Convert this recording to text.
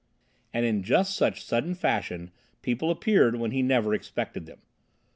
And in just such sudden fashion people appeared, when he never expected them.